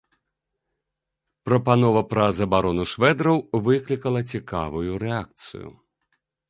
Прапанова пра забарону швэдраў выклікала цікавую рэакцыю.